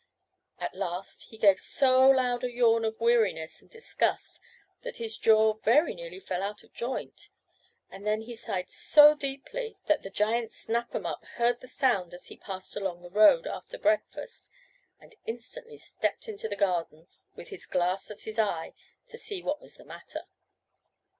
At last he gave so loud a yawn of weariness and disgust that his jaw very nearly fell out of joint, and then he sighed so deeply that the giant Snap 'em up heard the sound as he passed along the road after breakfast, and instantly stepped into the garden, with his glass at his eye, to see what was the matter.